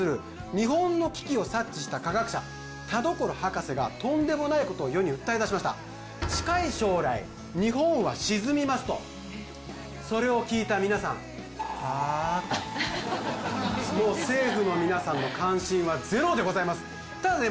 日本の危機を察知した科学者田所博士がとんでもないことを世に訴えだしましたそれを聞いた皆さん「はー？」ともう政府の皆さんの関心はゼロでございますただね